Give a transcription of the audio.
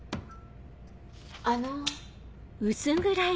あの。